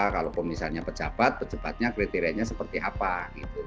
kalau misalnya pejabat pejabatnya kriterianya seperti apa gitu